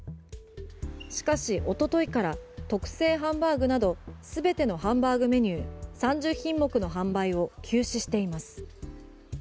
しかし、一昨日から特製ハンバーグなど全てのハンバーグメニュー３０品目の販売を休止しています。